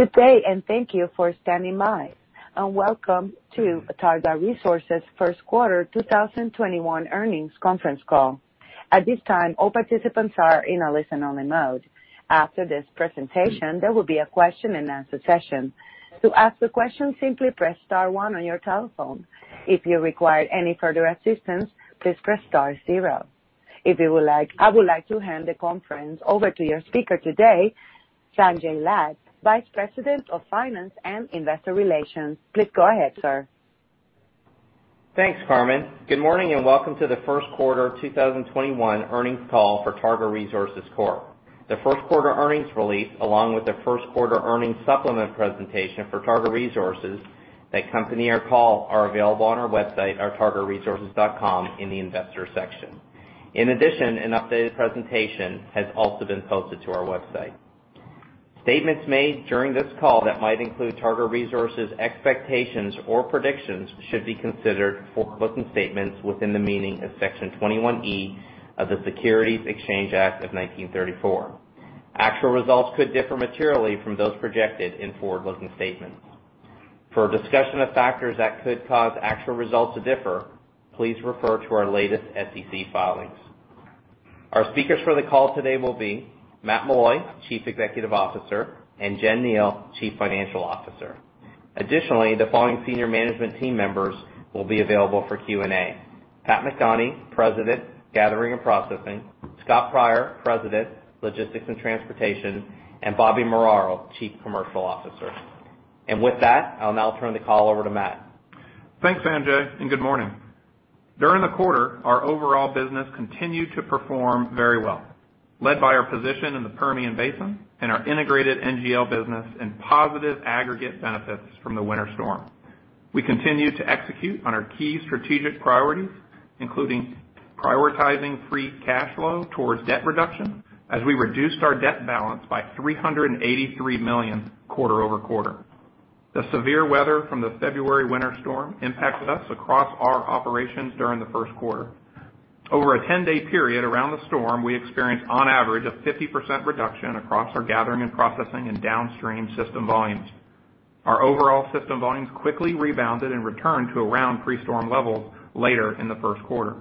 Good day, and thank you for standing by. Welcome to Targa Resources' first quarter 2021 earnings conference call. At this time, all participants are in a listen-only mode. After this presentation, there will be a question and answer session. To ask a question, simply press star one on your telephone. If you require any further assistance, please press star zero. I would like to hand the conference over to your speaker today, Sanjay Lad, Vice President of Finance and Investor Relations. Please go ahead, sir. Thanks, Carmen. Good morning and welcome to the first quarter 2021 earnings call for Targa Resources Corp. The first quarter earnings release, along with the first quarter earnings supplement presentation for Targa Resources that accompany our call are available on our website at targaresources.com in the investors section. In addition, an updated presentation has also been posted to our website. Statements made during this call that might include Targa Resources expectations or predictions should be considered forward-looking statements within the meaning of Section 21E of the Securities Exchange Act of 1934. Actual results could differ materially from those projected in forward-looking statements. For a discussion of factors that could cause actual results to differ, please refer to our latest SEC filings. Our speakers for the call today will be Matt Meloy, Chief Executive Officer, and Jenny Kneale, Chief Financial Officer. Additionally, the following senior management team members will be available for Q and A: Pat McDonie, President, Gathering and Processing; Scott Pryor, President, Logistics and Transportation; and Bobby Muraro, Chief Commercial Officer. With that, I'll now turn the call over to Matt. Thanks, Sanjay. Good morning. During the quarter, our overall business continued to perform very well, led by our position in the Permian Basin and our integrated NGL business and positive aggregate benefits from the winter storm. We continued to execute on our key strategic priorities, including prioritizing free cash flow towards debt reduction as we reduced our debt balance by $383 million quarter-over-quarter. The severe weather from the February winter storm impacted us across our operations during the first quarter. Over a 10-day period around the storm, we experienced on average a 50% reduction across our Gathering and Processing and downstream system volumes. Our overall system volumes quickly rebounded and returned to around pre-storm levels later in the first quarter.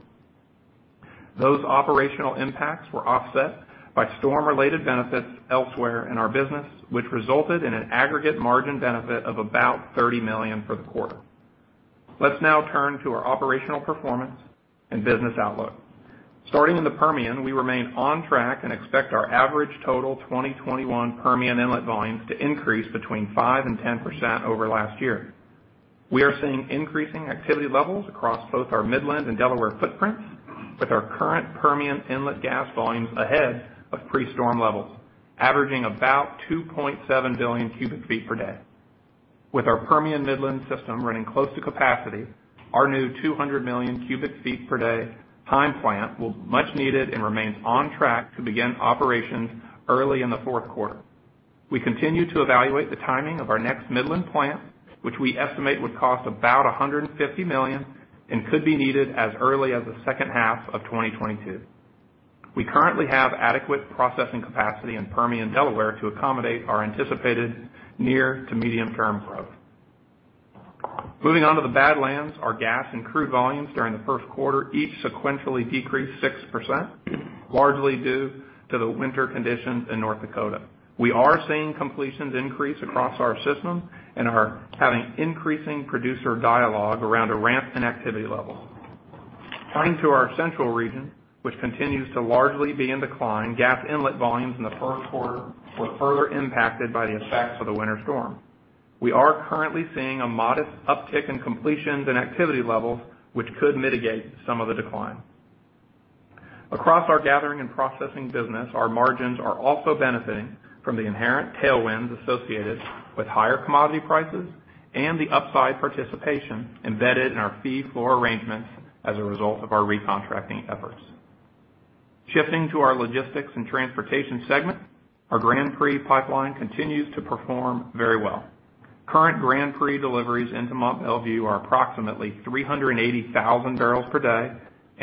Those operational impacts were offset by storm-related benefits elsewhere in our business, which resulted in an aggregate margin benefit of about $30 million for the quarter. Let's now turn to our operational performance and business outlook. Starting in the Permian, we remain on track and expect our average total 2021 Permian inlet volumes to increase between 5% and 10% over last year. We are seeing increasing activity levels across both our Midland and Delaware footprints with our current Permian inlet gas volumes ahead of pre-storm levels, averaging about 2.7 billion cu ft per day. With our Permian Midland system running close to capacity, our new 200 million cu ft per day Heim plant will be much needed and remains on track to begin operations early in the fourth quarter. We continue to evaluate the timing of our next Midland plant, which we estimate would cost about $150 million and could be needed as early as the second half of 2022. We currently have adequate processing capacity in Permian Delaware to accommodate our anticipated near to medium-term growth. Moving on to the Badlands, our gas and crude volumes during the first quarter each sequentially decreased 6%, largely due to the winter conditions in North Dakota. We are seeing completions increase across our system and are having increasing producer dialogue around a ramp in activity level. Turning to our Central Region, which continues to largely be in decline, gas inlet volumes in the first quarter were further impacted by the effects of the winter storm. We are currently seeing a modest uptick in completions and activity levels, which could mitigate some of the decline. Across our Gathering and Processing business, our margins are also benefiting from the inherent tailwinds associated with higher commodity prices and the upside participation embedded in our fee floor arrangements as a result of our recontracting efforts. Shifting to our Logistics and Transportation segment, our Grand Prix pipeline continues to perform very well. Current Grand Prix deliveries into Mont Belvieu are approximately 380,000 bbl per day.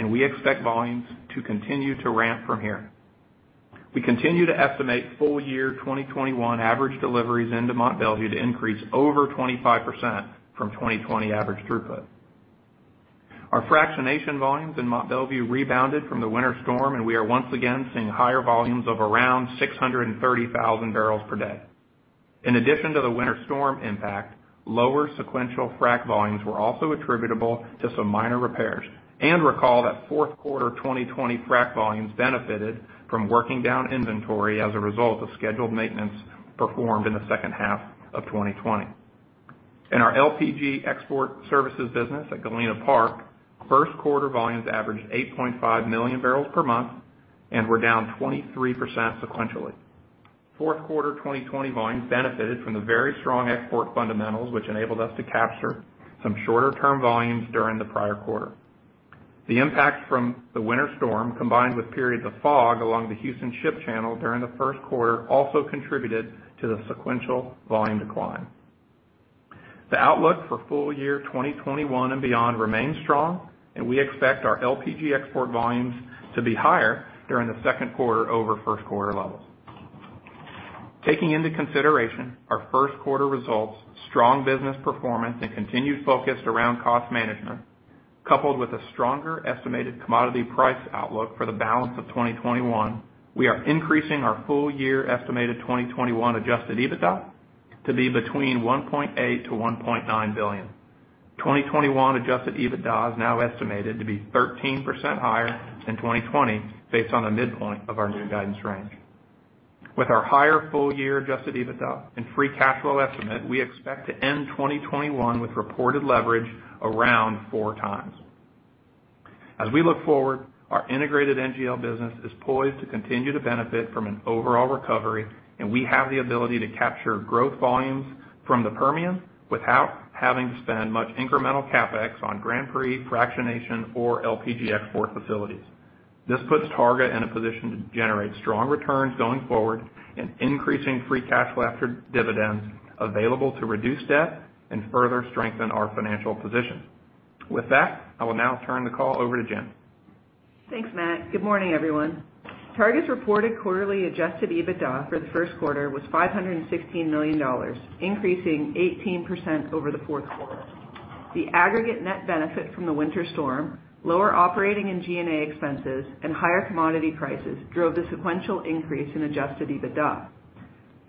We expect volumes to continue to ramp from here. We continue to estimate full year 2021 average deliveries into Mont Belvieu to increase over 25% from 2020 average throughput. Our fractionation volumes in Mont Belvieu rebounded from the winter storm. We are once again seeing higher volumes of around 630,000 bbl per day. In addition to the winter storm impact, lower sequential frack volumes were also attributable to some minor repairs. Recall that fourth quarter 2020 frack volumes benefited from working down inventory as a result of scheduled maintenance performed in the second half of 2020. In our LPG export services business at Galena Park, first quarter volumes averaged 8.5 million bbl per month and were down 23% sequentially. Fourth quarter 2020 volumes benefited from the very strong export fundamentals, which enabled us to capture some shorter-term volumes during the prior quarter. The impacts from the winter storm, combined with periods of fog along the Houston Ship Channel during the first quarter, also contributed to the sequential volume decline. The outlook for full year 2021 and beyond remains strong, and we expect our LPG export volumes to be higher during the second quarter over first quarter levels. Taking into consideration our first quarter results, strong business performance, and continued focus around cost management, coupled with a stronger estimated commodity price outlook for the balance of 2021, we are increasing our full year estimated 2021 adjusted EBITDA to be between $1.8 billion-$1.9 billion. 2021 adjusted EBITDA is now estimated to be 13% higher than 2020 based on the midpoint of our new guidance range. With our higher full year adjusted EBITDA and free cash flow estimate, we expect to end 2021 with reported leverage around 4x. As we look forward, our integrated NGL business is poised to continue to benefit from an overall recovery, and we have the ability to capture growth volumes from the Permian without having to spend much incremental CapEx on Grand Prix fractionation or LPG export facilities. This puts Targa in a position to generate strong returns going forward and increasing free cash flow after dividends available to reduce debt and further strengthen our financial position. With that, I will now turn the call over to Jen. Thanks, Matt. Good morning, everyone. Targa's reported quarterly adjusted EBITDA for the first quarter was $516 million, increasing 18% over the fourth quarter. The aggregate net benefit from the winter storm, lower operating and G&A expenses, and higher commodity prices drove the sequential increase in adjusted EBITDA.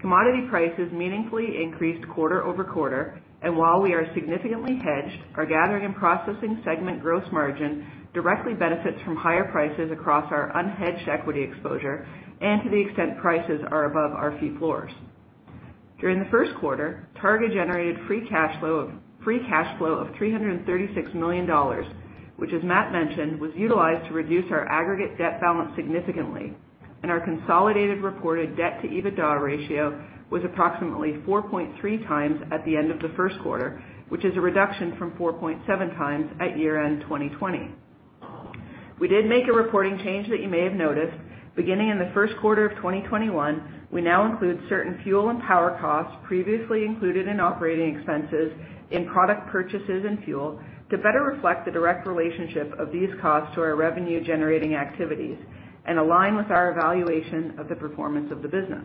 Commodity prices meaningfully increased quarter-over-quarter, and while we are significantly hedged, our Gathering and Processing segment gross margin directly benefits from higher prices across our unhedged equity exposure, and to the extent prices are above our fee floors. During the first quarter, Targa generated free cash flow of $336 million, which, as Matt mentioned, was utilized to reduce our aggregate debt balance significantly and our consolidated reported debt to EBITDA ratio was approximately 4.3x at the end of the first quarter, which is a reduction from 4.7x at year-end 2020. We did make a reporting change that you may have noticed. Beginning in the first quarter of 2021, we now include certain fuel and power costs previously included in operating expenses in product purchases and fuel to better reflect the direct relationship of these costs to our revenue-generating activities and align with our evaluation of the performance of the business.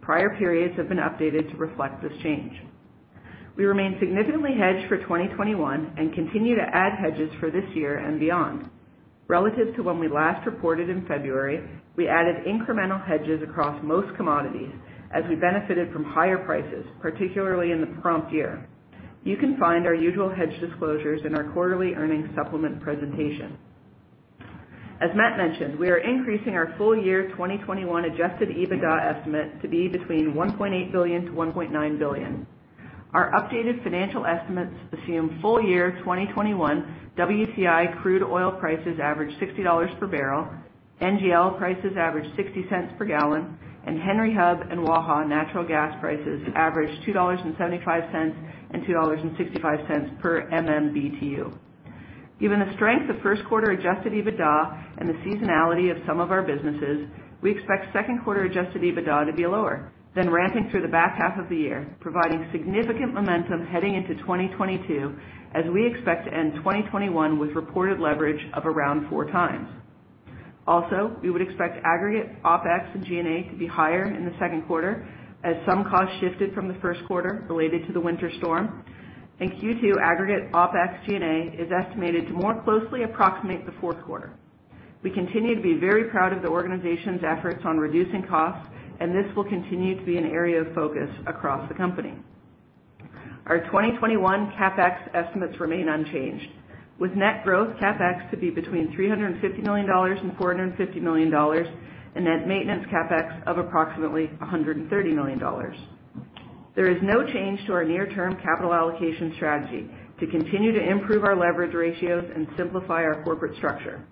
Prior periods have been updated to reflect this change. We remain significantly hedged for 2021 and continue to add hedges for this year and beyond. Relative to when we last reported in February, we added incremental hedges across most commodities as we benefited from higher prices, particularly in the prompt year. You can find our usual hedge disclosures in our quarterly earnings supplement presentation. As Matt mentioned, we are increasing our full year 2021 adjusted EBITDA estimate to be between $1.8 billion-$1.9 billion. Our updated financial estimates assume full year 2021 WTI crude oil prices average $60 per barrel, NGL prices average $0.60 per gallon, and Henry Hub and Waha natural gas prices average $2.75 and $2.65 per MMBtu. Given the strength of first quarter adjusted EBITDA and the seasonality of some of our businesses, we expect second quarter adjusted EBITDA to be lower than ramping through the back half of the year, providing significant momentum heading into 2022 as we expect to end 2021 with reported leverage of around 4x. We would expect aggregate OpEx and G&A to be higher in the second quarter as some costs shifted from the first quarter related to the winter storm. In Q2, aggregate OpEx G&A is estimated to more closely approximate the fourth quarter. We continue to be very proud of the organization's efforts on reducing costs, and this will continue to be an area of focus across the company. Our 2021 CapEx estimates remain unchanged, with net growth CapEx to be between $350 million and $450 million, and net maintenance CapEx of approximately $130 million. There is no change to our near-term capital allocation strategy to continue to improve our leverage ratios and simplify our corporate structure.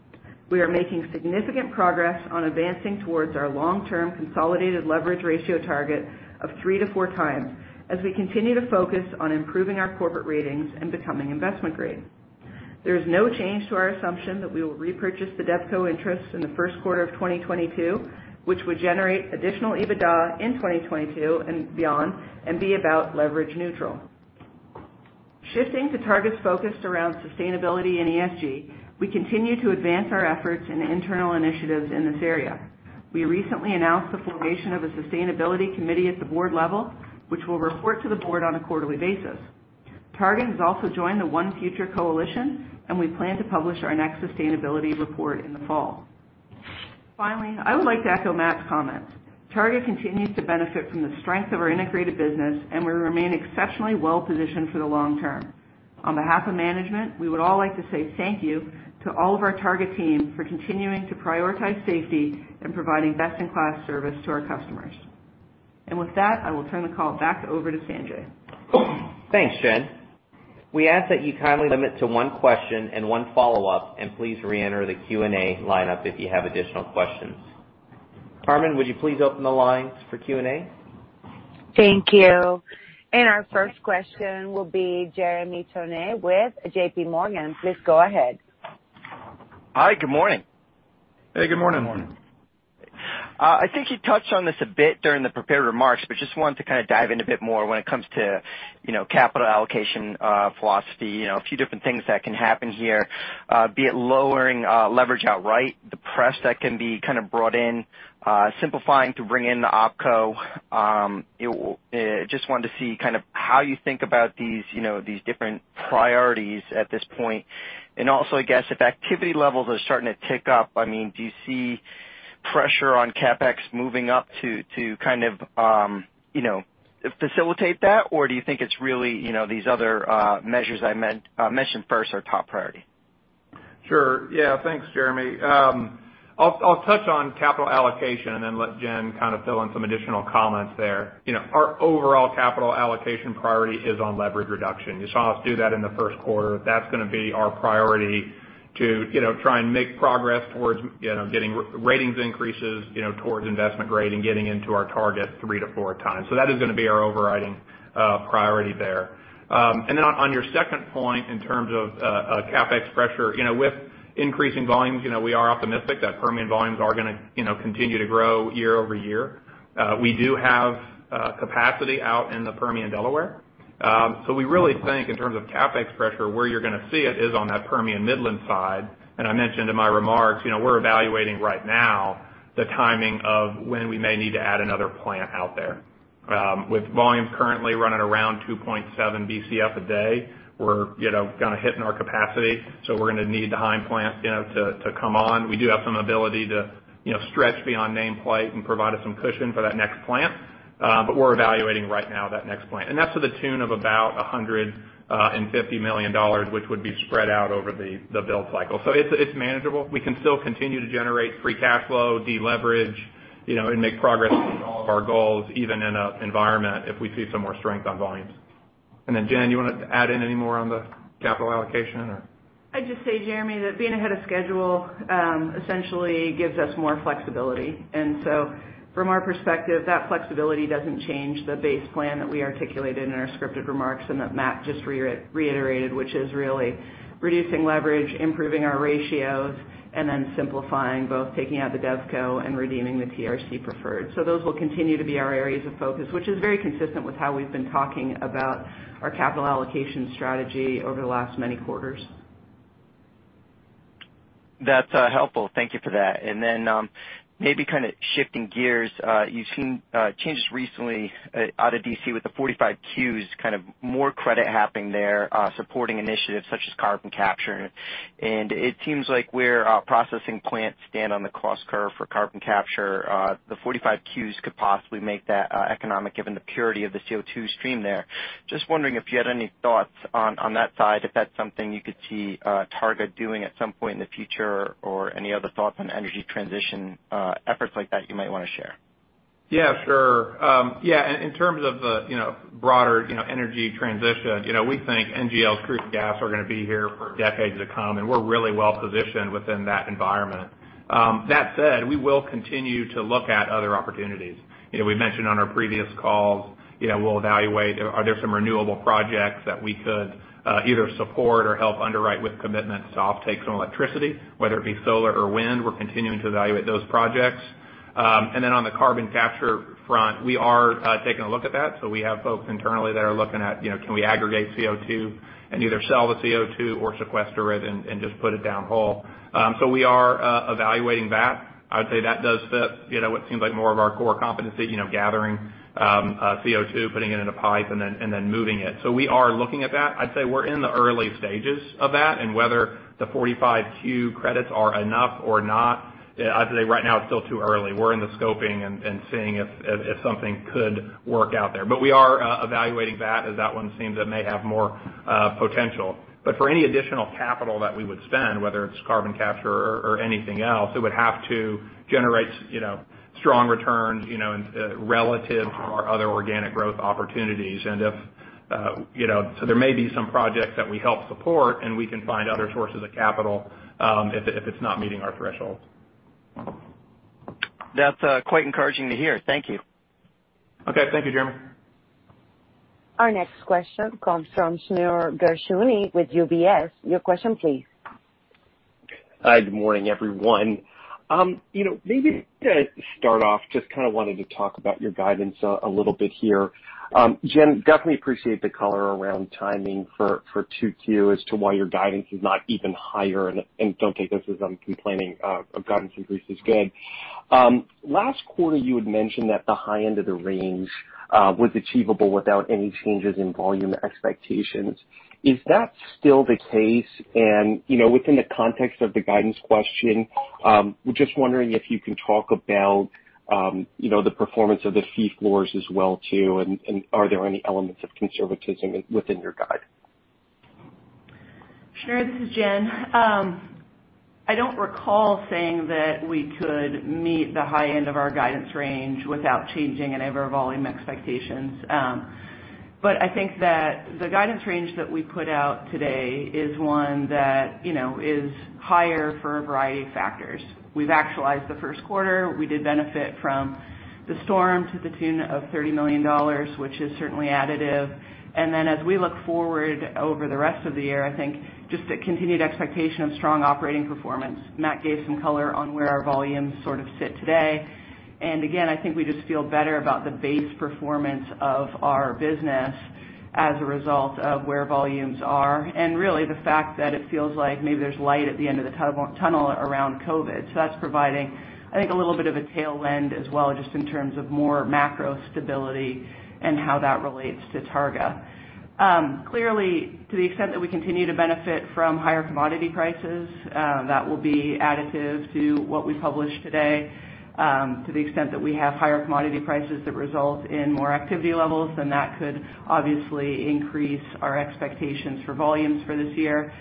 We are making significant progress on advancing towards our long-term consolidated leverage ratio target of 3x-4x as we continue to focus on improving our corporate ratings and becoming investment grade. There is no change to our assumption that we will repurchase the DevCo interests in the first quarter of 2022, which would generate additional EBITDA in 2022 and beyond and be about leverage neutral. Shifting to Targa's focus around sustainability and ESG, we continue to advance our efforts and internal initiatives in this area. We recently announced the formation of a sustainability committee at the board level, which will report to the Board on a quarterly basis. Targa has also joined the ONE Future Coalition. We plan to publish our next sustainability report in the fall. Finally, I would like to echo Matt's comments. Targa continues to benefit from the strength of our integrated business. We remain exceptionally well-positioned for the long term. On behalf of management, we would all like to say thank you to all of our Targa team for continuing to prioritize safety and providing best-in-class service to our customers. With that, I will turn the call back over to Sanjay. Thanks, Jen. We ask that you kindly limit to one question and one follow-up. Please reenter the Q and A lineup if you have additional questions. Carmen, would you please open the lines for Q and A? Thank you. Our first question will be Jeremy Tonet with JPMorgan. Please go ahead. Hi, good morning. Hey, good morning. I think you touched on this a bit during the prepared remarks, just wanted to dive in a bit more when it comes to capital allocation philosophy. A few different things that can happen here, be it lowering leverage outright, debt that can be brought in, simplifying to bring in the OpCo. Just wanted to see how you think about these different priorities at this point. Also, I guess, if activity levels are starting to tick up, do you see pressure on CapEx moving up to facilitate that? Do you think it's really these other measures I mentioned first are top priority? Thanks, Jeremy. I'll touch on capital allocation and then let Jen fill in some additional comments there. Our overall capital allocation priority is on leverage reduction. You saw us do that in the first quarter. That's going to be our priority to try and make progress towards getting ratings increases towards investment grade and getting into our target 3x-4x. That is going to be our overriding priority there. On your second point, in terms of CapEx pressure. With increasing volumes, we are optimistic that Permian volumes are going to continue to grow year-over-year. We do have capacity out in the Permian Delaware. We really think in terms of CapEx pressure, where you're going to see it is on that Permian Midland side. I mentioned in my remarks, we're evaluating right now the timing of when we may need to add another plant out there. With volumes currently running around 2.7 Bcf a day, we're hitting our capacity. We're going to need the Heim plant to come on. We do have some ability to stretch beyond nameplate and provide us some cushion for that next plant. We're evaluating right now that next plant, and that's to the tune of about $150 million, which would be spread out over the build cycle. It's manageable. We can still continue to generate free cash flow, deleverage, and make progress on all of our goals, even in an environment if we see some more strength on volumes. Jen, you want to add in any more on the capital allocation or? I'd just say, Jeremy, that being ahead of schedule essentially gives us more flexibility. From our perspective, that flexibility doesn't change the base plan that we articulated in our scripted remarks and that Matt just reiterated, which is really reducing leverage, improving our ratios, and then simplifying, both taking out the DevCo and redeeming the TRC preferred. Those will continue to be our areas of focus, which is very consistent with how we've been talking about our capital allocation strategy over the last many quarters. That's helpful. Thank you for that. Then maybe shifting gears. You've seen changes recently out of D.C. with the 45Q's kind of more credit happening there, supporting initiatives such as carbon capture. It seems like where processing plants stand on the cost curve for carbon capture, the 45Q's could possibly make that economic, given the purity of the CO2 stream there. Just wondering if you had any thoughts on that side, if that's something you could see Targa doing at some point in the future, or any other thoughts on energy transition efforts like that you might want to share? Sure. In terms of the broader energy transition, we think NGL crude gas are going to be here for decades to come, and we're really well positioned within that environment. That said, we will continue to look at other opportunities. We mentioned on our previous calls, we'll evaluate, are there some renewable projects that we could either support or help underwrite with commitments to offtake some electricity? Whether it be solar or wind, we're continuing to evaluate those projects. On the carbon capture front, we are taking a look at that. We have folks internally that are looking at, can we aggregate CO2 and either sell the CO2 or sequester it and just put it down hole. We are evaluating that. I would say that does fit what seems like more of our core competency, gathering CO2, putting it in a pipe, and then moving it. We are looking at that. I'd say we're in the early stages of that, and whether the 45Q credits are enough or not, I'd say right now it's still too early. We're in the scoping and seeing if something could work out there. We are evaluating that, as that one seems it may have more potential. For any additional capital that we would spend, whether it's carbon capture or anything else, it would have to generate strong returns relative to our other organic growth opportunities. There may be some projects that we help support, and we can find other sources of capital if it's not meeting our threshold. That's quite encouraging to hear. Thank you. Okay. Thank you, Jeremy. Our next question comes from Shneur Gershuni with UBS. Your question please. Hi, good morning, everyone. Maybe to start off, just wanted to talk about your guidance a little bit here. Jen, definitely appreciate the color around timing for 2Q as to why your guidance is not even higher. Don't take this as I'm complaining. A guidance increase is good. Last quarter, you had mentioned that the high end of the range was achievable without any changes in volume expectations. Is that still the case? Within the context of the guidance question, just wondering if you can talk about the performance of the fee floors as well too, and are there any elements of conservatism within your guidance? Shneur, this is Jen. I don't recall saying that we could meet the high end of our guidance range without changing any of our volume expectations. I think that the guidance range that we put out today is one that is higher for a variety of factors. We've actualized the first quarter. We did benefit from the storm to the tune of $30 million, which is certainly additive. Then as we look forward over the rest of the year, I think just the continued expectation of strong operating performance. Matt gave some color on where our volumes sort of sit today. Again, I think we just feel better about the base performance of our business as a result of where volumes are, and really the fact that it feels like maybe there's light at the end of the tunnel around COVID. That's providing, I think, a little bit of a tailwind as well, just in terms of more macro stability and how that relates to Targa. To the extent that we continue to benefit from higher commodity prices, that will be additive to what we published today. To the extent that we have higher commodity prices that result in more activity levels, that could obviously increase our expectations for volumes for this year.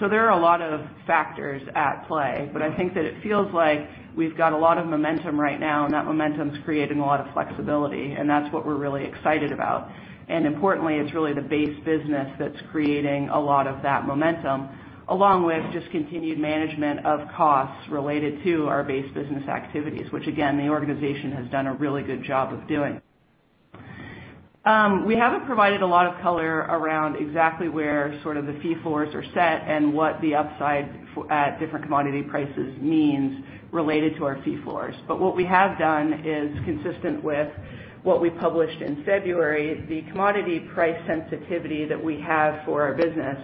There are a lot of factors at play, but I think that it feels like we've got a lot of momentum right now, and that momentum's creating a lot of flexibility, and that's what we're really excited about. Importantly, it's really the base business that's creating a lot of that momentum, along with just continued management of costs related to our base business activities, which again, the organization has done a really good job of doing. We haven't provided a lot of color around exactly where sort of the fee floors are set and what the upside at different commodity prices means related to our fee floors. What we have done is consistent with what we published in February, the commodity price sensitivity that we have for our business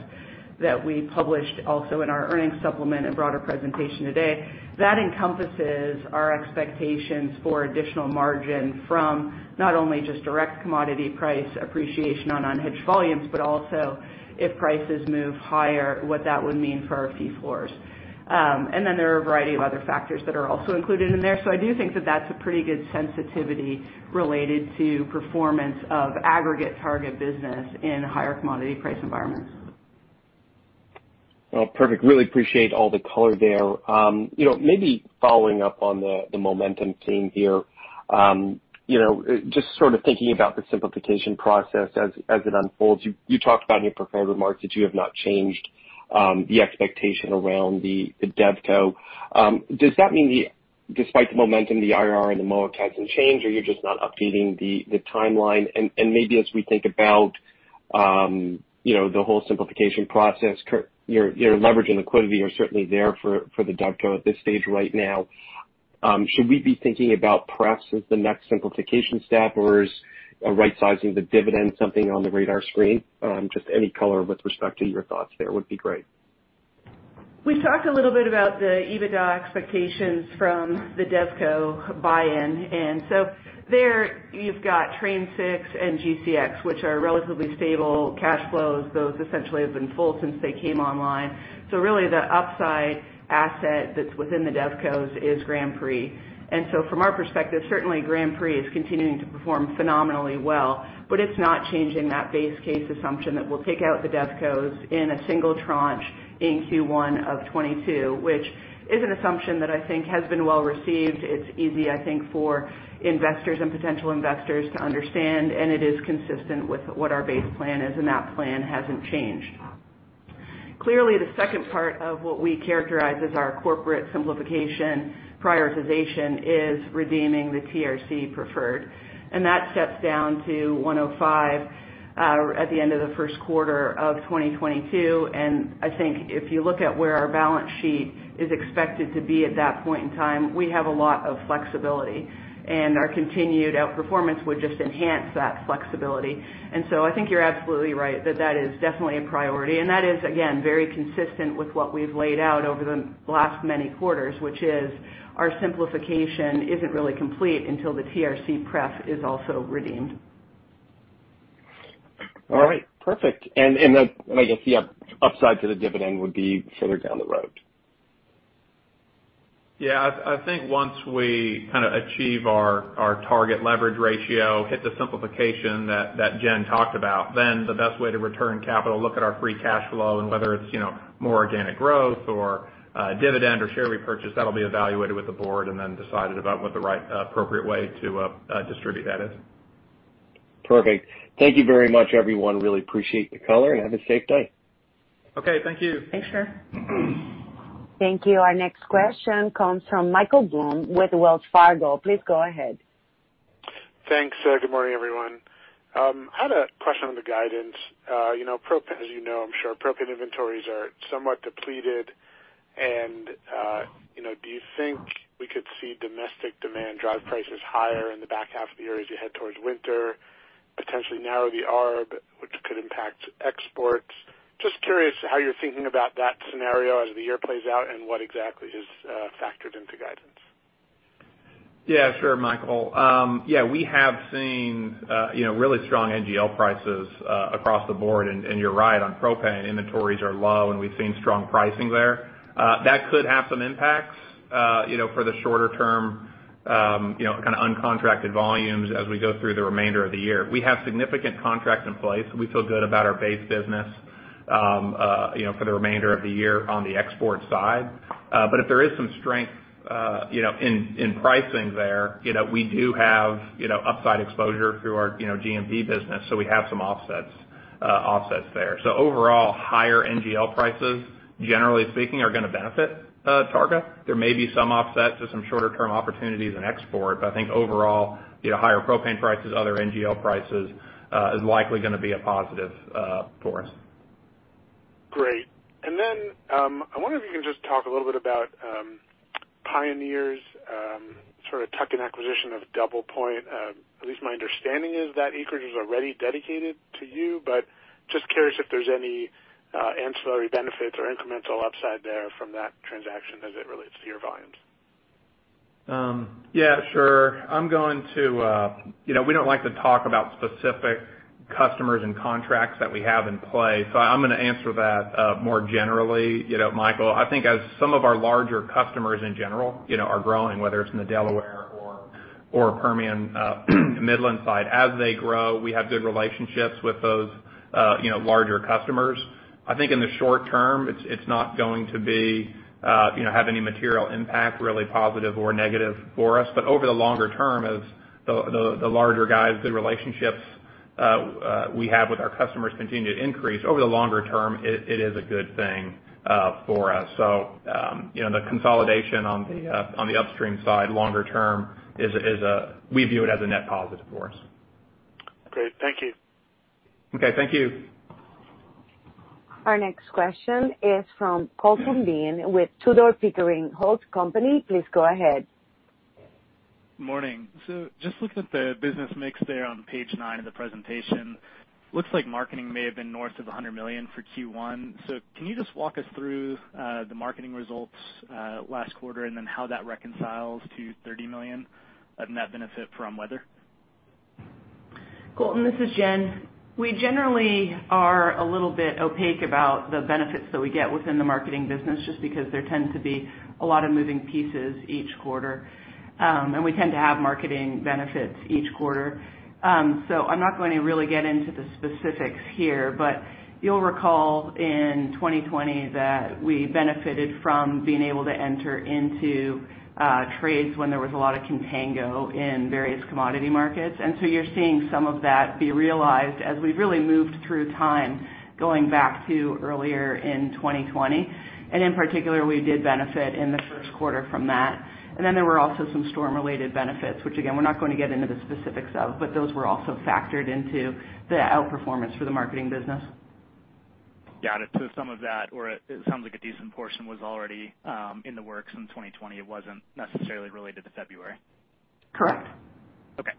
that we published also in our earnings supplement and broader presentation today. That encompasses our expectations for additional margin from not only just direct commodity price appreciation on unhedged volumes, but also if prices move higher, what that would mean for our fee floors. Then there are a variety of other factors that are also included in there. I do think that that's a pretty good sensitivity related to performance of aggregate Targa business in higher commodity price environments. Perfect. Really appreciate all the color there. Following up on the momentum theme here. Sort of thinking about the simplification process as it unfolds. You talked about in your prepared remarks that you have not changed the expectation around the DevCo. Does that mean despite the momentum, the IRR and the MOIC hasn't changed, or you're just not updating the timeline? Maybe as we think about the whole simplification process, your leverage and liquidity are certainly there for the DevCo at this stage right now. Should we be thinking about pref as the next simplification step, or is right-sizing the dividend something on the radar screen? Any color with respect to your thoughts there would be great. We talked a little bit about the EBITDA expectations from the DevCo buy-in. There you've got Train Six and GCX, which are relatively stable cash flows. Those essentially have been full since they came online. Really the upside asset that's within the DevCos is Grand Prix. From our perspective, certainly Grand Prix is continuing to perform phenomenally well, but it's not changing that base case assumption that we'll take out the DevCos in a single tranche in Q1 of 2022, which is an assumption that I think has been well received. It's easy, I think, for investors and potential investors to understand, and it is consistent with what our base plan is, and that plan hasn't changed. Clearly, the second part of what we characterize as our corporate simplification prioritization is redeeming the TRC preferred, and that steps down to 105% at the end of the first quarter of 2022. I think if you look at where our balance sheet is expected to be at that point in time, we have a lot of flexibility, and our continued outperformance would just enhance that flexibility. I think you're absolutely right that that is definitely a priority. That is, again, very consistent with what we've laid out over the last many quarters, which is our simplification isn't really complete until the TRC pref is also redeemed. All right, perfect. I guess the upside to the dividend would be further down the road. Yeah. I think once we kind of achieve our target leverage ratio, hit the simplification that Jen talked about, then the best way to return capital, look at our free cash flow and whether it's more organic growth or a dividend or share repurchase, that'll be evaluated with the Board and then decided about what the right appropriate way to distribute that is. Perfect. Thank you very much, everyone. Really appreciate the color and have a safe day. Okay. Thank you. Thanks, Shneur. Thank you. Our next question comes from Michael Blum with Wells Fargo. Please go ahead. Thanks. Good morning, everyone. I had a question on the guidance. As you know, I'm sure, propane inventories are somewhat depleted and do you think we could see domestic demand drive prices higher in the back half of the year as you head towards winter, potentially narrow the arb, which could impact exports? Just curious how you're thinking about that scenario as the year plays out and what exactly is factored into guidance? Yeah, sure, Michael. Yeah, we have seen really strong NGL prices across the board, and you're right on propane. Inventories are low, and we've seen strong pricing there. That could have some impacts for the shorter term, kind of uncontracted volumes as we go through the remainder of the year. We have significant contracts in place. We feel good about our base business. For the remainder of the year on the export side. If there is some strength in pricing there, we do have upside exposure through our G&P business, so we have some offsets there. Overall, higher NGL prices, generally speaking, are going to benefit Targa. There may be some offset to some shorter-term opportunities in export, but I think overall, higher propane prices, other NGL prices, is likely going to be a positive for us. Great. I wonder if you can just talk a little bit about Pioneer's sort of tuck-in acquisition of DoublePoint. At least my understanding is that acreage was already dedicated to you, but just curious if there's any ancillary benefits or incremental upside there from that transaction as it relates to your volumes. Yeah, sure. We don't like to talk about specific customers and contracts that we have in play. I'm going to answer that more generally, Michael. I think as some of our larger customers in general are growing, whether it's in the Delaware or Permian Midland side, as they grow, we have good relationships with those larger customers. I think in the short term, it's not going to have any material impact, really positive or negative for us. Over the longer term, as the larger guys, good relationships we have with our customers continue to increase, over the longer term, it is a good thing for us. The consolidation on the upstream side longer term, we view it as a net positive for us. Great. Thank you. Okay. Thank you. Our next question is from Colton Bean with Tudor, Pickering, Holt & Co. Please go ahead. Morning. Just looking at the business mix there on page nine of the presentation. Looks like marketing may have been north of $100 million for Q1. Can you just walk us through the marketing results last quarter, and then how that reconciles to $30 million of net benefit from weather? Colton, this is Jen. We generally are a little bit opaque about the benefits that we get within the marketing business, just because there tend to be a lot of moving pieces each quarter. We tend to have marketing benefits each quarter. I'm not going to really get into the specifics here, but you'll recall in 2020 that we benefited from being able to enter into trades when there was a lot of contango in various commodity markets. You're seeing some of that be realized as we've really moved through time, going back to earlier in 2020. In particular, we did benefit in the first quarter from that. Then there were also some storm-related benefits, which again, we're not going to get into the specifics of, but those were also factored into the outperformance for the marketing business. Some of that, or it sounds like a decent portion, was already in the works in 2020. It wasn't necessarily related to February. Correct. Okay.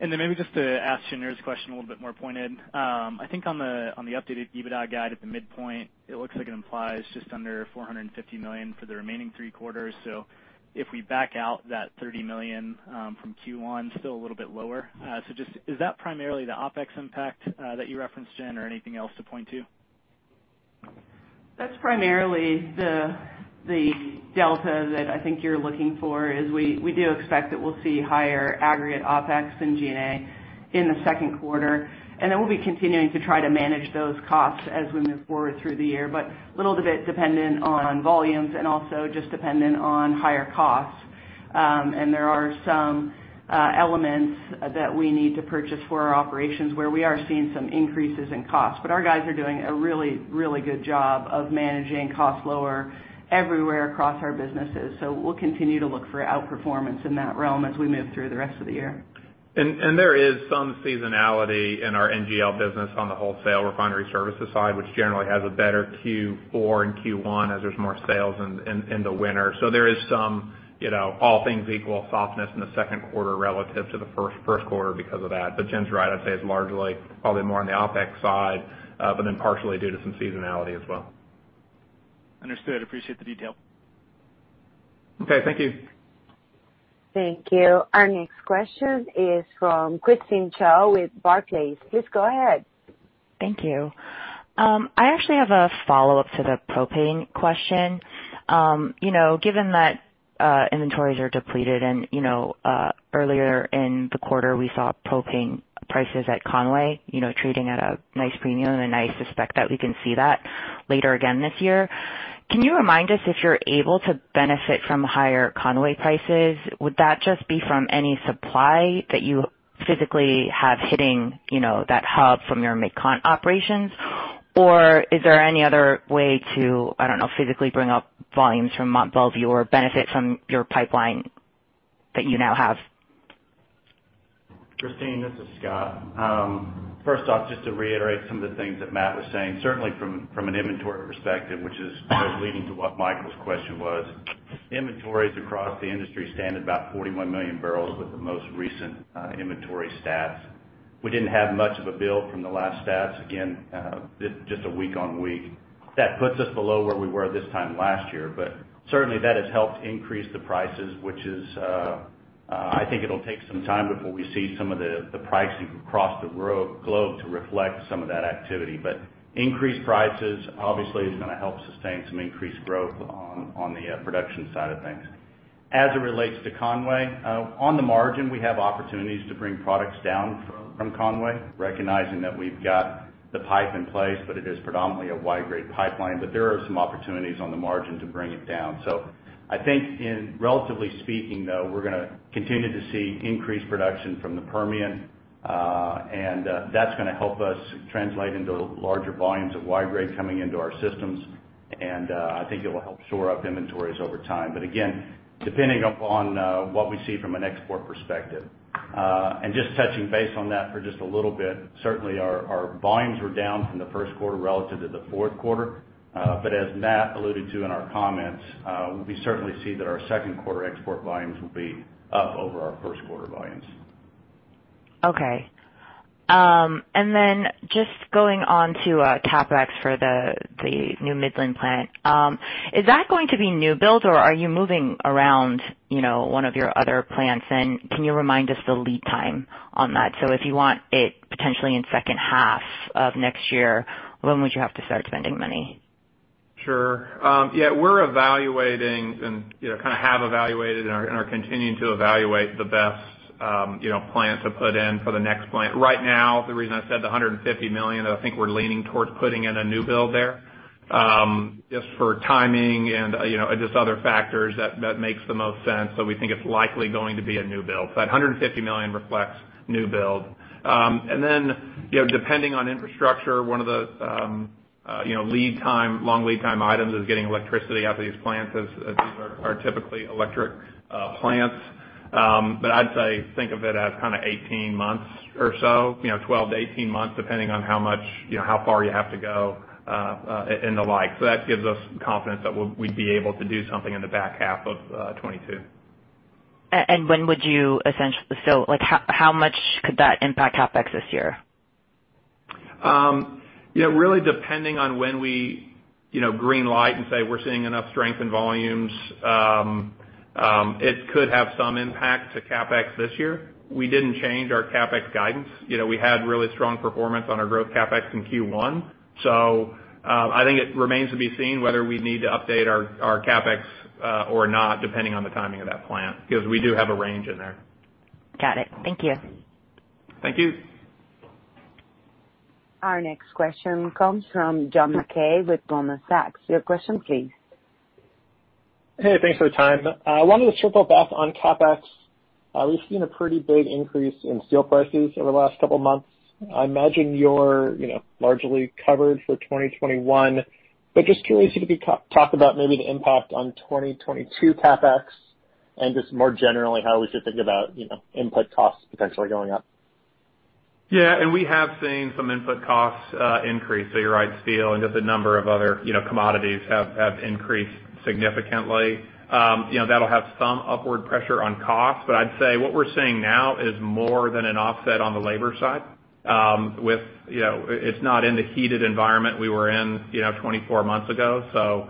Maybe just to ask Jen this question a little bit more pointed. I think on the updated EBITDA guide at the midpoint, it looks like it implies just under $450 million for the remaining three quarters. If we back out that $30 million from Q1, still a little bit lower. Just, is that primarily the OpEx impact that you referenced, Jen or anything else to point to? That's primarily the delta that I think you're looking for, is we do expect that we'll see higher aggregate OpEx than G&A in the second quarter. Then we'll be continuing to try to manage those costs as we move forward through the year, a little bit dependent on volumes and also just dependent on higher costs. There are some elements that we need to purchase for our operations where we are seeing some increases in cost. Our guys are doing a really good job of managing costs lower everywhere across our businesses. We'll continue to look for outperformance in that realm as we move through the rest of the year. There is some seasonality in our NGL business on the wholesale refinery services side, which generally has a better Q4 and Q1 as there's more sales in the winter. There is some all things equal softness in the second quarter relative to the first quarter because of that. Jen's right. I'd say it's largely probably more on the OpEx side, partially due to some seasonality as well. Understood. Appreciate the detail. Okay. Thank you. Thank you. Our next question is from Christine Cho with Barclays. Please go ahead. Thank you. I actually have a follow-up to the propane question. Given that inventories are depleted and earlier in the quarter, we saw propane prices at Conway trading at a nice premium, and I suspect that we can see that later again this year. Can you remind us if you're able to benefit from higher Conway prices? Would that just be from any supply that you physically have hitting that hub from your MidCon operations? Is there any other way to, I don't know, physically bring up volumes from Mont Belvieu or benefit from your pipeline that you now have? Christine, this is Scott. First off, just to reiterate some of the things that Matt was saying, certainly from an inventory perspective, which is I suppose leading to what Michael's question was. Inventories across the industry stand about 41 million bbl with the most recent inventory stats. We didn't have much of a build from the last stats. Again, just a week on week. That puts us below where we were this time last year, but certainly that has helped increase the prices, which is. I think it'll take some time before we see some of the pricing across the globe to reflect some of that activity. Increased prices obviously is going to help sustain some increased growth on the production side of things. As it relates to Conway, on the margin, we have opportunities to bring products down from Conway, recognizing that we've got the pipe in place, but it is predominantly a Y-grade pipeline. There are some opportunities on the margin to bring it down. I think in relatively speaking, though, we're going to continue to see increased production from the Permian. That's going to help us translate into larger volumes of Y-grade coming into our systems. I think it will help shore up inventories over time. Again, depending upon what we see from an export perspective. Just touching base on that for just a little bit, certainly our volumes were down from the first quarter relative to the fourth quarter. As Matt alluded to in our comments, we certainly see that our second quarter export volumes will be up over our first quarter volumes. Okay. Then just going on to CapEx for the new Midland Plant. Is that going to be new build or are you moving around one of your other plants? Can you remind us the lead time on that? If you want it potentially in second half of next year, when would you have to start spending money? Sure. Yeah, we're evaluating and kind of have evaluated and are continuing to evaluate the best plant to put in for the next plant. Right now, the reason I said the $150 million, I think we're leaning towards putting in a new build there. Just for timing and just other factors, that makes the most sense. We think it's likely going to be a new build. That $150 million reflects new build. Depending on infrastructure, one of the long lead time items is getting electricity out to these plants, as these are typically electric plants. I'd say, think of it as kind of 18 months or so. 12-18 months, depending on how far you have to go and the like. That gives us confidence that we'd be able to do something in the back half of 2022. How much could that impact CapEx this year? Really depending on when we green-light and say we're seeing enough strength in volumes, it could have some impact to CapEx this year. We didn't change our CapEx guidance. We had really strong performance on our growth CapEx in Q1. I think it remains to be seen whether we need to update our CapEx or not, depending on the timing of that plant, because we do have a range in there. Got it. Thank you. Thank you. Our next question comes from John Mackay with Goldman Sachs. Your question, please. Hey, thanks for the time. Wanted to circle back on CapEx. We've seen a pretty big increase in steel prices over the last couple of months. I imagine you're largely covered for 2021. Just curious if you could talk about maybe the impact on 2022 CapEx and just more generally, how we should think about input costs potentially going up. Yeah. We have seen some input costs increase, so you're right. Steel and just a number of other commodities have increased significantly. That'll have some upward pressure on costs. I'd say what we're seeing now is more than an offset on the labor side. It's not in the heated environment we were in 24 months ago.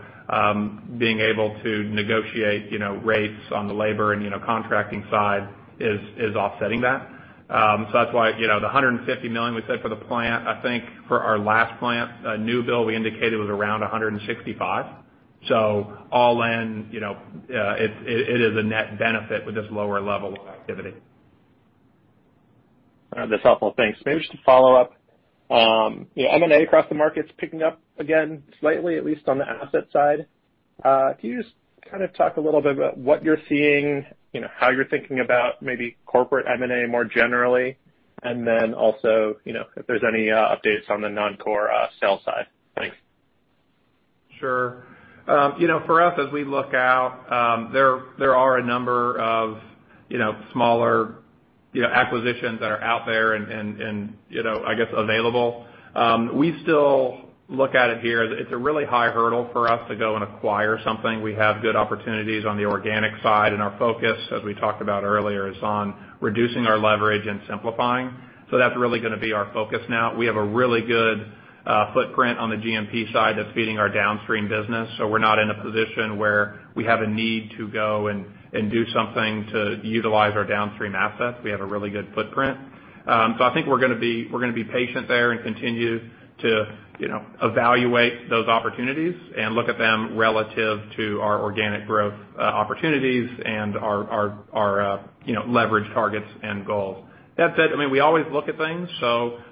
Being able to negotiate rates on the labor and contracting side is offsetting that. That's why the $150 million we said for the plant, I think for our last plant, a new build we indicated was around $165. All in, it is a net benefit with this lower level of activity. That's helpful. Thanks. Maybe just to follow up. M&A across the market's picking up again slightly, at least on the asset side. Can you just kind of talk a little bit about what you're seeing, how you're thinking about maybe corporate M&A more generally, and then also, if there's any updates on the non-core sale side. Thanks. Sure. For us, as we look out, there are a number of smaller acquisitions that are out there and I guess available. We still look at it here, it's a really high hurdle for us to go and acquire something. We have good opportunities on the organic side, and our focus, as we talked about earlier, is on reducing our leverage and simplifying. That's really going to be our focus now. We have a really good footprint on the G&P side that's feeding our downstream business. We're not in a position where we have a need to go and do something to utilize our downstream assets. We have a really good footprint. I think we're going to be patient there and continue to evaluate those opportunities and look at them relative to our organic growth opportunities and our leverage targets and goals. That said, we always look at things.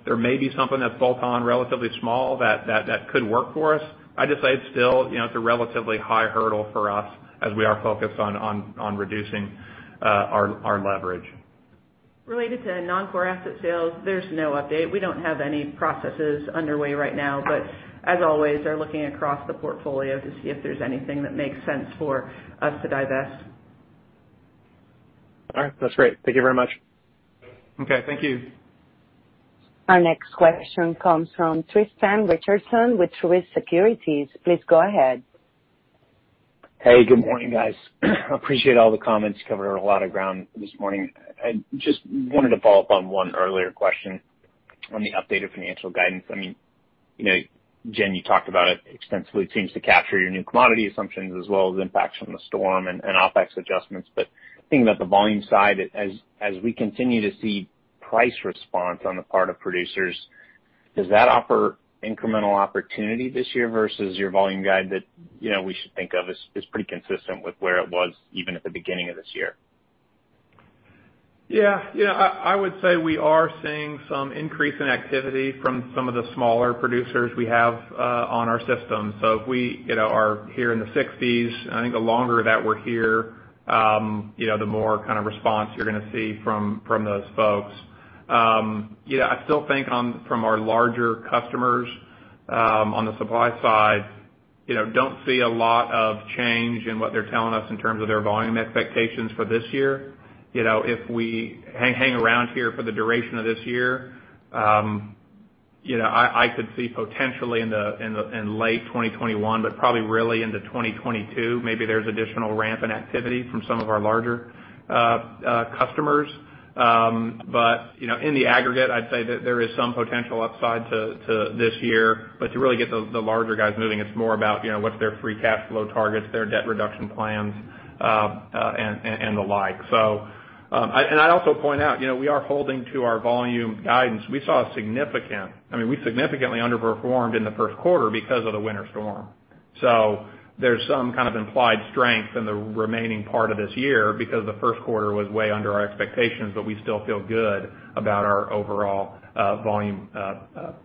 There may be something that's bolt-on, relatively small that could work for us. I'd just say it's still a relatively high hurdle for us as we are focused on reducing our leverage. Related to non-core asset sales, there's no update. We don't have any processes underway right now, but as always, are looking across the portfolio to see if there's anything that makes sense for us to divest. All right. That's great. Thank you very much. Okay. Thank you. Our next question comes from Tristan Richardson with Truist Securities. Please go ahead. Hey, good morning, guys. Appreciate all the comments. Covered a lot of ground this morning. I just wanted to follow up on one earlier question on the updated financial guidance. Jen, you talked about it extensively. It seems to capture your new commodity assumptions as well as impacts from the storm and OpEx adjustments. Thinking about the volume side, as we continue to see price response on the part of producers. Does that offer incremental opportunity this year versus your volume guide that we should think of as pretty consistent with where it was even at the beginning of this year? Yeah. I would say we are seeing some increase in activity from some of the smaller producers we have on our system. If we are here in the 60s, I think the longer that we're here, the more response you're going to see from those folks. I still think from our larger customers on the supply side, don't see a lot of change in what they're telling us in terms of their volume expectations for this year. If we hang around here for the duration of this year, I could see potentially in late 2021, but probably really into 2022, maybe there's additional ramp in activity from some of our larger customers. In the aggregate, I'd say that there is some potential upside to this year, but to really get the larger guys moving, it's more about what's their free cash flow targets, their debt reduction plans, and the like. I'd also point out, we are holding to our volume guidance. We significantly underperformed in the first quarter because of the winter storm. There's some kind of implied strength in the remaining part of this year because the first quarter was way under our expectations, but we still feel good about our overall volume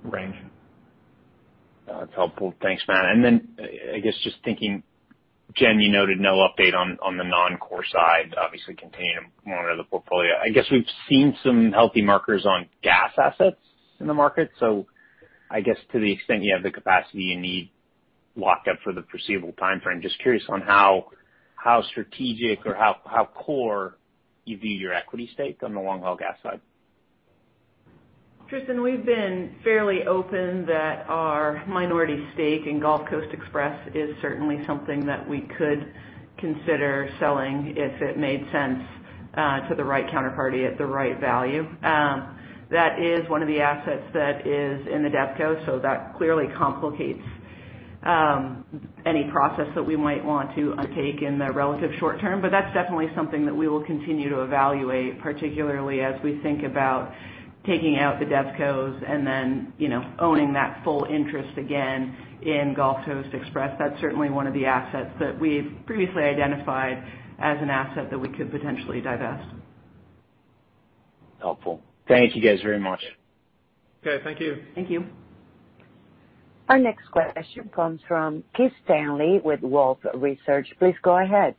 range. That's helpful. Thanks, Matt. Then, I guess just thinking, Jen, you noted no update on the non-core side, obviously continuing to monitor the portfolio. I guess we've seen some healthy markers on gas assets in the market. I guess to the extent you have the capacity you need locked up for the foreseeable timeframe, just curious on how strategic or how core you view your equity stake on the long-haul gas side. Tristan, we've been fairly open that our minority stake in Gulf Coast Express is certainly something that we could consider selling if it made sense to the right counterparty at the right value. That is one of the assets that is in the DevCo, that clearly complicates any process that we might want to undertake in the relative short term. That's definitely something that we will continue to evaluate, particularly as we think about taking out the DevCos and then owning that full interest again in Gulf Coast Express. That's certainly one of the assets that we've previously identified as an asset that we could potentially divest. Helpful. Thank you guys very much. Okay, thank you. Thank you. Our next question comes from Keith Stanley with Wolfe Research. Please go ahead.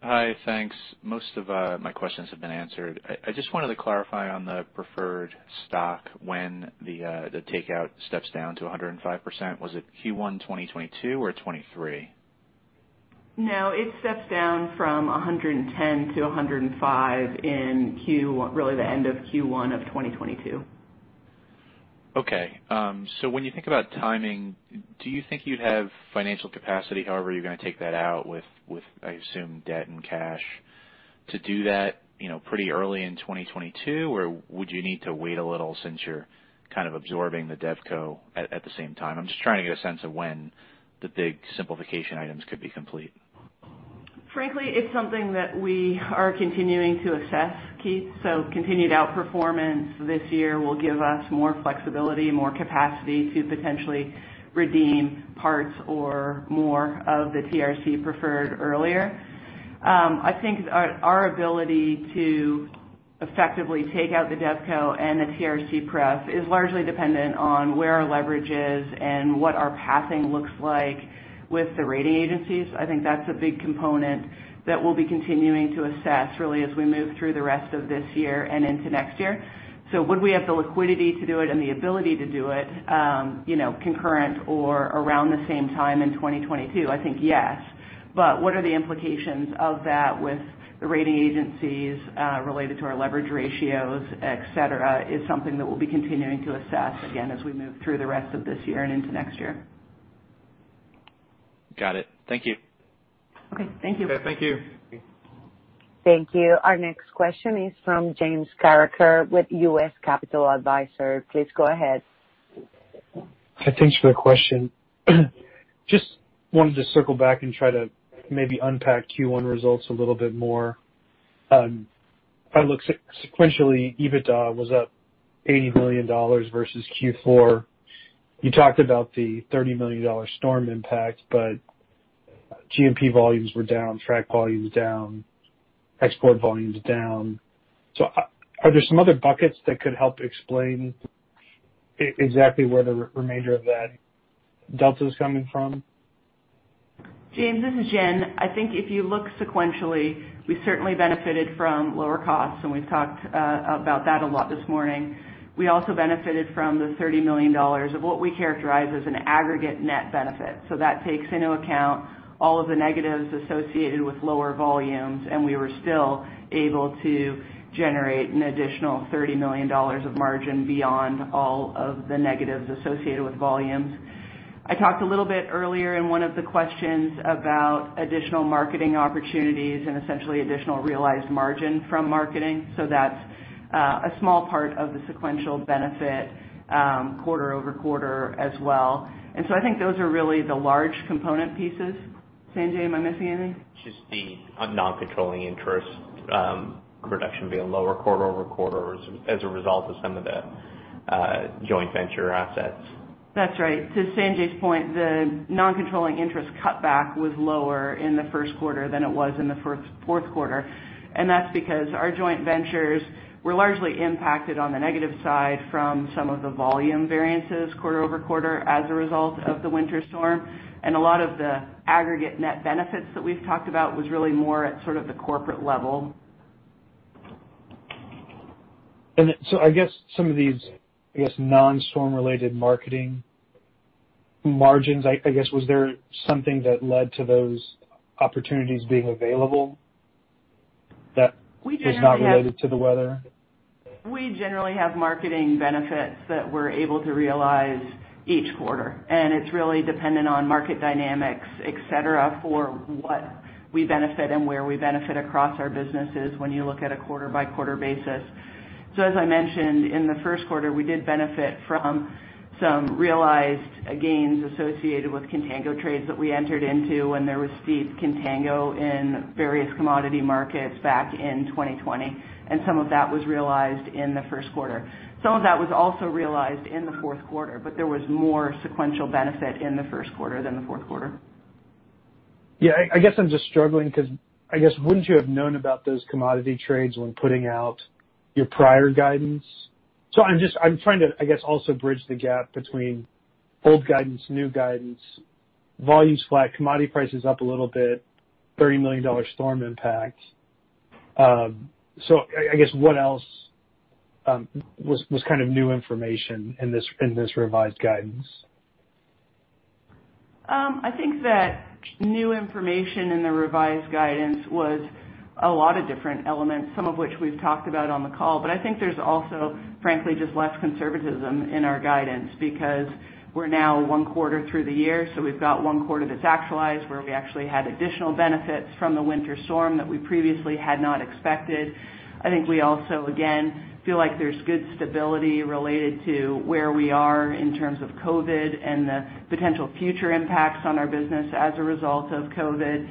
Hi, thanks. Most of my questions have been answered. I just wanted to clarify on the preferred stock when the takeout steps down to 105%, was it Q1 2022 or 2023? No, it steps down from 110% to 105% in really the end of Q1 of 2022. Okay. When you think about timing, do you think you'd have financial capacity, however you're going to take that out with, I assume, debt and cash to do that pretty early in 2022? Would you need to wait a little since you're kind of absorbing the DevCo at the same time? I'm just trying to get a sense of when the big simplification items could be complete. Frankly, it's something that we are continuing to assess, Keith. Continued outperformance this year will give us more flexibility, more capacity to potentially redeem parts or more of the TRC preferred earlier. I think our ability to effectively take out the DevCo and the TRC pref is largely dependent on where our leverage is and what our pathing looks like with the rating agencies. I think that's a big component that we'll be continuing to assess really as we move through the rest of this year and into next year. Would we have the liquidity to do it and the ability to do it concurrent or around the same time in 2022? I think yes. What are the implications of that with the rating agencies related to our leverage ratios, et cetera? It's something that we'll be continuing to assess again as we move through the rest of this year and into next year. Got it. Thank you. Okay, thank you. Yeah, thank you. Thank you. Our next question is from James Carreker with U.S. Capital Advisors. Please go ahead. Hi, thanks for the question. Just wanted to circle back and try to maybe unpack Q1 results a little bit more. If I look sequentially, EBITDA was up $80 million versus Q4. You talked about the $30 million storm impact, G&P volumes were down, frac volumes down, export volumes down. Are there some other buckets that could help explain exactly where the remainder of that delta is coming from? James, this is Jen. I think if you look sequentially, we certainly benefited from lower costs, and we've talked about that a lot this morning. We also benefited from the $30 million of what we characterize as an aggregate net benefit. That takes into account all of the negatives associated with lower volumes, and we were still able to generate an additional $30 million of margin beyond all of the negatives associated with volumes. I talked a little bit earlier in one of the questions about additional marketing opportunities and essentially additional realized margin from marketing. That's a small part of the sequential benefit quarter-over-quarter as well. I think those are really the large component pieces. Sanjay, am I missing anything? Just the non-controlling interest, production being lower quarter-over-quarter as a result of some of the joint venture assets. That's right. To Sanjay's point, the non-controlling interest cutback was lower in the first quarter than it was in the fourth quarter. That's because our joint ventures were largely impacted on the negative side from some of the volume variances quarter-over-quarter as a result of the winter storm. A lot of the aggregate net benefits that we've talked about was really more at sort of the corporate level. I guess some of these, I guess, non-storm related marketing margins, I guess, was there something that led to those opportunities being available that is not related to the weather? We generally have marketing benefits that we're able to realize each quarter. It's really dependent on market dynamics, et cetera, for what we benefit and where we benefit across our businesses when you look at a quarter-by-quarter basis. As I mentioned in the first quarter, we did benefit from some realized gains associated with contango trades that we entered into when there was steep contango in various commodity markets back in 2020. Some of that was realized in the first quarter. Some of that was also realized in the fourth quarter, there was more sequential benefit in the first quarter than the fourth quarter. Yeah, I guess I'm just struggling because, I guess, wouldn't you have known about those commodity trades when putting out your prior guidance? I'm trying to, I guess, also bridge the gap between old guidance, new guidance, volume slack, commodity prices up a little bit, $30 million storm impact. I guess what else was kind of new information in this revised guidance? I think that new information in the revised guidance was a lot of different elements, some of which we've talked about on the call. I think there's also, frankly, just less conservatism in our guidance because we're now one quarter through the year, so we've got one quarter that's actualized, where we actually had additional benefits from the winter storm that we previously had not expected. I think we also, again, feel like there's good stability related to where we are in terms of COVID and the potential future impacts on our business as a result of COVID.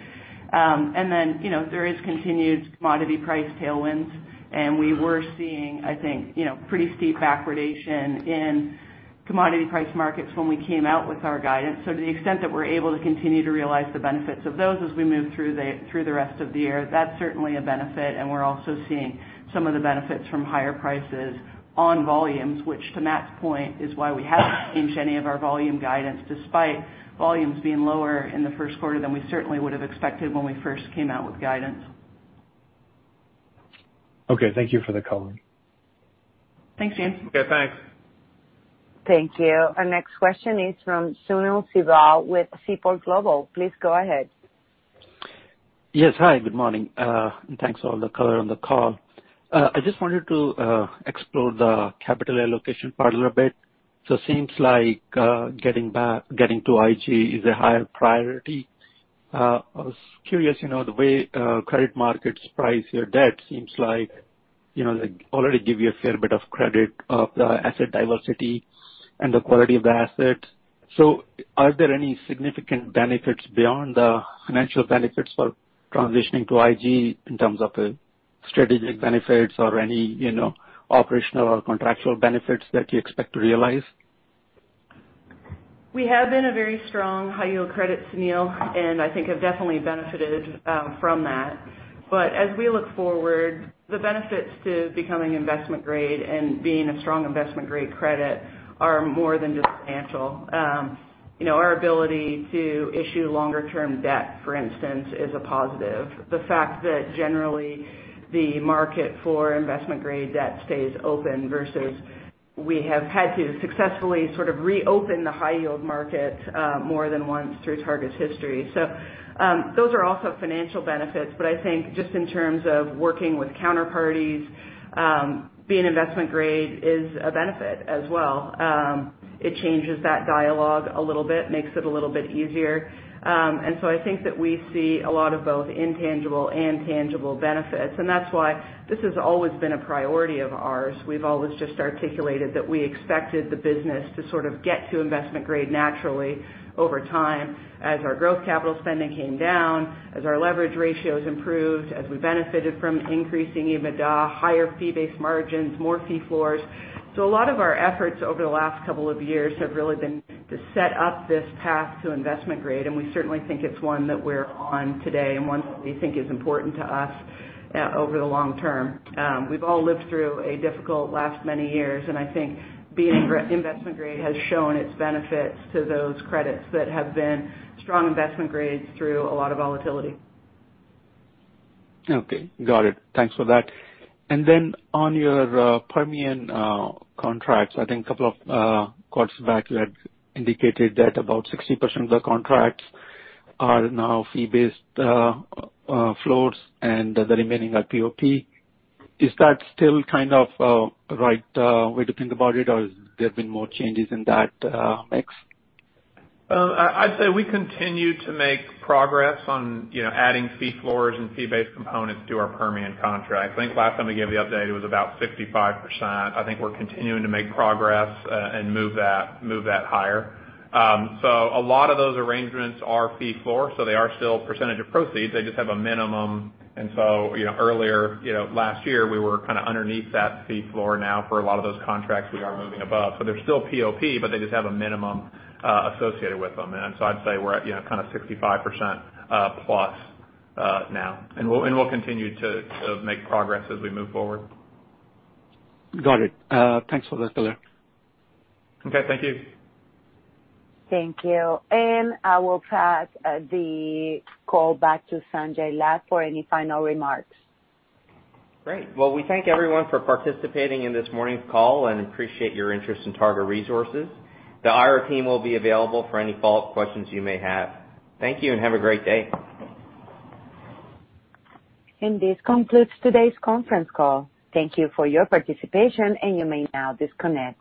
There is continued commodity price tailwinds, and we were seeing, I think, pretty steep backwardation in commodity price markets when we came out with our guidance. To the extent that we're able to continue to realize the benefits of those as we move through the rest of the year, that's certainly a benefit, and we're also seeing some of the benefits from higher prices on volumes, which, to Matt's point, is why we haven't changed any of our volume guidance, despite volumes being lower in the first quarter than we certainly would have expected when we first came out with guidance. Okay. Thank you for the color. Thanks, James. Okay, thanks. Thank you. Our next question is from Sunil Sibal with Seaport Global. Please go ahead. Yes. Hi, good morning. Thanks for all the color on the call. I just wanted to explore the capital allocation part a little bit. Seems like getting to IG is a higher priority. I was curious, the way credit markets price your debt seems like they already give you a fair bit of credit of the asset diversity and the quality of the asset. Are there any significant benefits beyond the financial benefits for transitioning to IG in terms of strategic benefits or any operational or contractual benefits that you expect to realize? We have been a very strong high yield credit, Sunil, I think have definitely benefited from that. As we look forward, the benefits to becoming investment grade and being a strong investment grade credit are more than just financial. Our ability to issue longer term debt, for instance, is a positive. The fact that generally the market for investment grade debt stays open versus we have had to successfully sort of reopen the high yield market more than once through Targa Resources's history. Those are also financial benefits. I think just in terms of working with counterparties, being investment grade is a benefit as well. It changes that dialogue a little bit, makes it a little bit easier. I think that we see a lot of both intangible and tangible benefits. That's why this has always been a priority of ours. We've always just articulated that we expected the business to sort of get to investment grade naturally over time as our growth capital spending came down, as our leverage ratios improved, as we benefited from increasing EBITDA, higher fee-based margins, more fee floors. A lot of our efforts over the last couple of years have really been to set up this path to investment grade, and we certainly think it's one that we're on today and one that we think is important to us over the long term. We've all lived through a difficult last many years, and I think being investment grade has shown its benefits to those credits that have been strong investment grades through a lot of volatility. Okay, got it. Thanks for that. Then on your Permian contracts, I think a couple of quarters back, you had indicated that about 60% of the contracts are now fee-based floors and the remaining are POP. Is that still kind of right way to think about it, or has there been more changes in that mix? I'd say we continue to make progress on adding fee floors and fee-based components to our Permian contracts. I think last time we gave the update, it was about 65%. I think we're continuing to make progress and move that higher. A lot of those arrangements are fee floor, so they are still percentage of proceeds. They just have a minimum. Earlier last year, we were kind of underneath that fee floor. Now for a lot of those contracts, we are moving above. They're still POP, but they just have a minimum associated with them. I'd say we're at kind of 65%+ now, and we'll continue to make progress as we move forward. Got it. Thanks for that color. Okay, thank you. Thank you. I will pass the call back to Sanjay Lad for any final remarks. Great. Well, we thank everyone for participating in this morning's call and appreciate your interest in Targa Resources. The IR team will be available for any follow-up questions you may have. Thank you and have a great day. This concludes today's conference call. Thank you for your participation, and you may now disconnect.